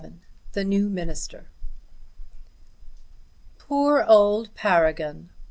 THE NEW MINISTER. "Poor old Paragon!"